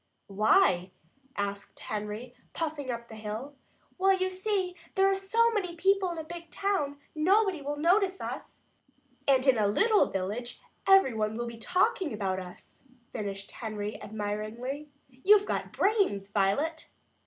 "Why?" asked Henry, puffing up the hill. "Well, you see, there are so many people in a big town, nobody will notice us " "And in a little village everyone would be talking about us," finished Henry admiringly. "You've got brains, Violet!"